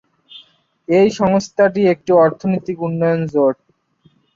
এই সংস্থাটি একটি অর্থনৈতিক উন্নয়ন জোট।